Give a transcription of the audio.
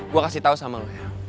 gue kasih tau sama lo ya